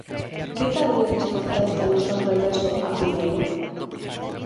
Que tal vedes ao Celta no seu regreso a primeira?